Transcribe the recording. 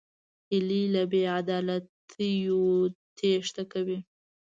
هیلۍ له بېعدالتیو تېښته کوي